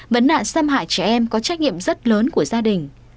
vấn nạn xâm hại trẻ em có trách nhiệm rất lớn của gia đình